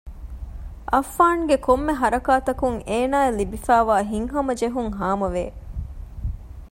އައްފާންގެ ކޮންމެ ހަރަކާތަކުން އޭނާއަށް ލިބިފައިވާ ހިތްހަމަޖެހުން ހާމަވެ